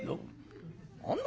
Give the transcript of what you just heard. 「何だ